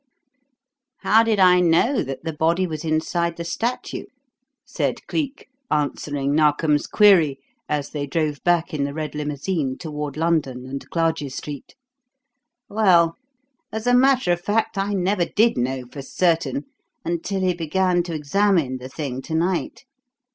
"How did I know that the body was inside the statue?" said Cleek, answering Narkom's query, as they drove back in the red limousine toward London and Clarges Street. "Well, as a matter of fact, I never did know for certain until he began to examine the thing to night.